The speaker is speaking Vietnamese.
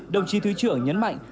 đồng chí thứ trưởng nhấn mạnh